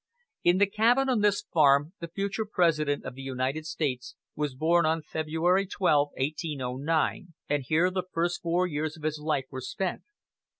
In the cabin on this farm the future President of the United States was born on February 12, 1809, and here the first four years of his life were spent.